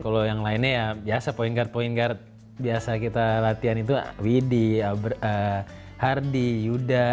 kalau yang lainnya ya biasa poin guard point guard biasa kita latihan itu widhi hardy yuda